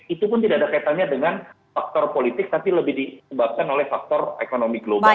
itu pun tidak ada kaitannya dengan faktor politik tapi lebih disebabkan oleh faktor ekonomi global